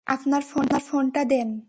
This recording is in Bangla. আপনার ফোনটা দেন?